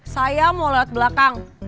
saya mau lewat belakang